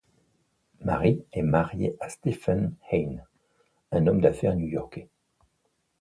Mary est mariée à Stephen Haines, un homme d'affaires new-yorkais.